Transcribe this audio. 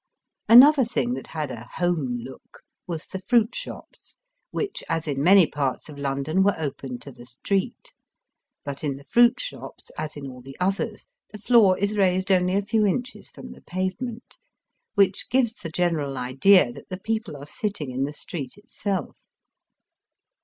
Another thing that had a home look was the fruit shops, which, as in many parts of London, were open to the street ; but in the fruit shops, as in all the others, the floor is raised only a few inches from the pavement, which gives the general idea that the people are sitting in the street itself.